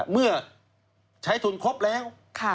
เมื่อใช้ทุนครบแล้ว